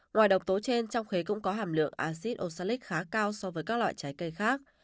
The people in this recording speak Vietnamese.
ngoài độc tố trên trong khế cũng có hàm lượng acid osalic khá cao so với các loại trái cây khác